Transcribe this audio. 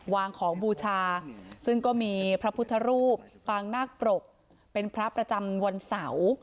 วางของบูชาซึ่งก็มีพระพุทธรูปปางนาคปรกเป็นพระประจำวันเสาร์